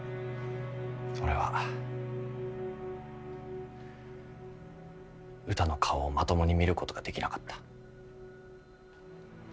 俺はうたの顔をまともに見ることができなかった。